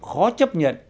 khó chấp nhận